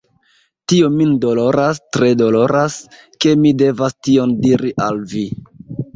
Tio min doloras, tre doloras, ke mi devas tion diri al vi.